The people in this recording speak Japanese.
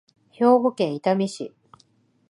兵庫県伊丹市